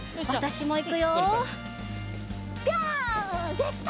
できた！